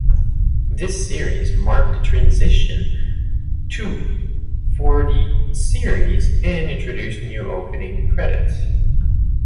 This series marked the transition to for the series and introduced new opening credits.